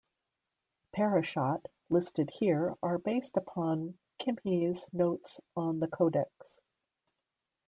"Parashot" listed here are based upon Kimhi's notes on the codex.